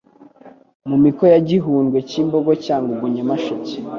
Mu miko ya Gihundwe Cyimbogo Cyangugu Nyamsheke